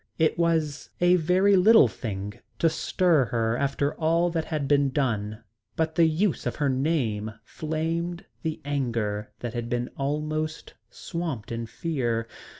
It was a very little thing to stir her after all that had been done, but the use of her name flamed the anger that had been almost swamped in fear.